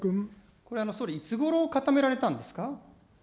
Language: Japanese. これ、総理、いつごろ固められたんですか。